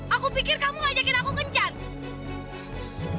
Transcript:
aku pikir kamu ngajakin aku kencan